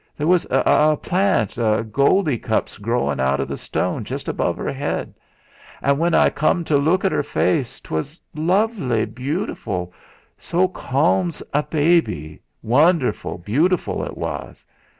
There was a plant o' goldie cups growin' out o' the stone just above 'er'ead. An' when I come to luke at 'er face, 'twas luvly, butiful, so calm's a baby's wonderful butiful et was.